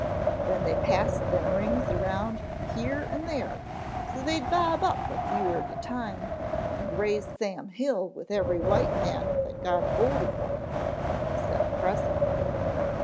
Then they passed them rings around here and there so they'd bob up fer a long time and raise Sam Hill with any white man that got hold of one," he said impressively.